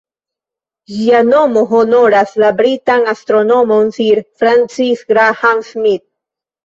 Ĝia nomo honoras la britan astronomon Sir Francis Graham-Smith.